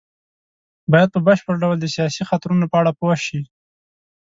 بايد په بشپړ ډول د سياسي خطرونو په اړه پوه شي.